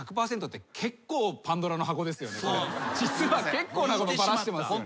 実は結構なことバラしてますよね。